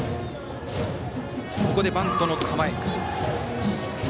ここでバントの構え。